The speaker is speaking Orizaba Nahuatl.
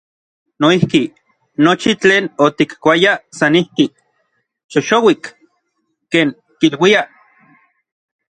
Noijki, nochi tlen otikkuayaj san ijki, “xoxouik”, ken kiluiaj.